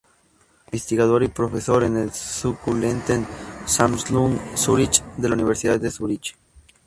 Es investigador y profesor en el "Sukkulenten-Sammlung Zürich" de la Universidad de Zúrich.